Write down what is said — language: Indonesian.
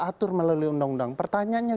atur melalui undang undang pertanyaannya